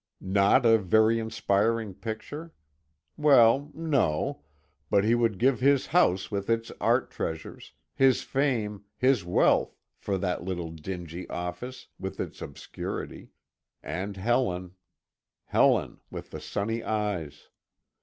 Not a very inspiring picture? Well, no, but he would give his house with its art treasures, his fame, his wealth, for that little dingy office, with its obscurity and Helen. Helen, with the sunny eyes.